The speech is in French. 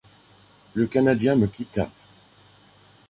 Le Canadien me quitta.